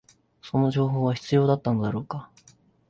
その情報は必要だったのだろうか